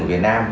ở việt nam